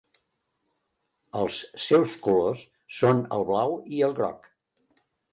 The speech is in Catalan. Els seus colors són el blau i el groc.